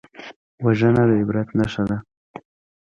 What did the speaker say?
وژنه د عبرت نښه ده